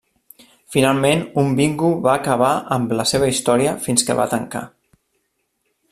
Finalment un bingo va acabar amb la seva història fins que va tancar.